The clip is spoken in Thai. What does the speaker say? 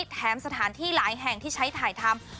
แถมสถานที่หลายแห่งที่ใช้ถ่ายทำ